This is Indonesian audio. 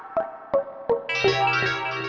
kayaknya udah berhasil